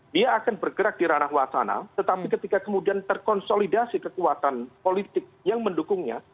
dia akan bergerak di ranah wacana tetapi ketika kemudian terkonsolidasi kekuatan politik yang mendukungnya